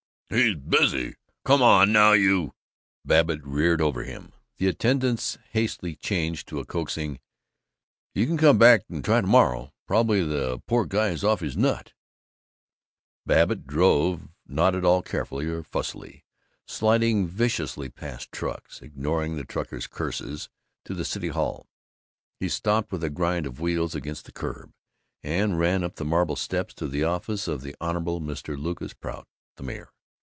"He's busy. Come on, now, you " Babbitt reared over him. The attendant hastily changed to a coaxing "You can come back and try to morrow. Probably the poor guy is off his nut." Babbitt drove, not at all carefully or fussily, sliding viciously past trucks, ignoring the truckmen's curses, to the City Hall; he stopped with a grind of wheels against the curb, and ran up the marble steps to the office of the Hon. Mr. Lucas Prout, the mayor.